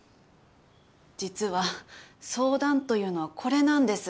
実は相談というのはこれなんです。